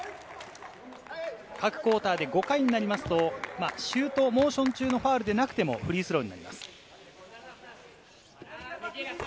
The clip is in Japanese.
各クオーターで５回になりますと、シュートモーション中のファウルでなくてもフリースローになります。